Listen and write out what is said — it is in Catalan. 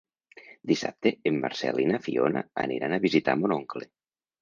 Dissabte en Marcel i na Fiona aniran a visitar mon oncle.